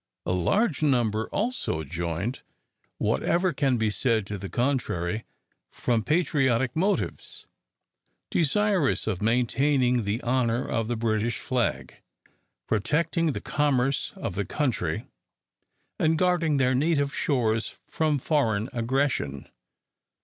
A large number also joined, whatever can be said to the contrary, from patriotic motives, desirous of maintaining the honour of the British flag, protecting the commerce of the country, and guarding their native shores from foreign aggression.